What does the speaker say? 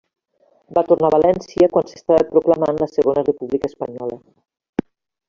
Va tornar a València quan s'estava proclamant la Segona República Espanyola.